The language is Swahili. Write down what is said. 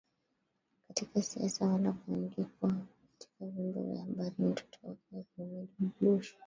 katika siasa wala kuandikwa katika vyombo vya habari Mtoto wake wa kiume George Bush